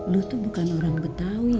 lo tuh bukan orang betawi ya ti